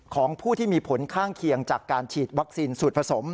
ของผู้ที่มีผลข้างเคียงจากการฉีดวัคซีนสูตรผสม